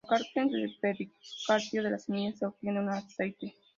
Localmente, del pericarpio y de las semillas se obtiene un aceite.